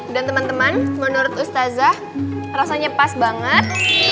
dan teman teman menurut ustazah rasanya pas banget